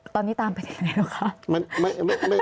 ตอนนี้ตามเป็นอย่างไรหรือครับ